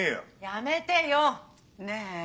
やめてよ！ねぇ。